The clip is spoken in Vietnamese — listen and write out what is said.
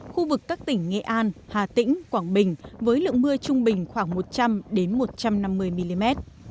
khu vực các tỉnh nghệ an hà tĩnh quảng bình với lượng mưa trung bình khoảng một trăm linh một trăm năm mươi mm